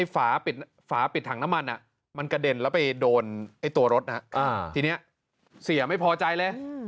ฝาปิดถังน้ำมันมันกระเด็นแล้วไปโดนตัวรถทีนี้เสียไม่พอใจเลย